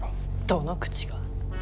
どの口が。